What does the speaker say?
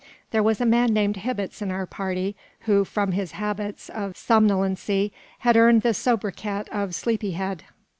There was a man named Hibbets in our party, who, from his habits of somnolency, had earned the sobriquet of "Sleepy head."